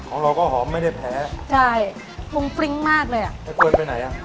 ของเราก็หอมไม่ได้แพ้ใช่ฟุ้งฟริ้งมากเลยอ่ะไม่ควรไปไหนอ่ะ